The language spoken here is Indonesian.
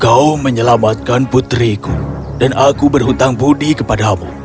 kau menyelamatkan putriku dan aku berhutang budi kepadamu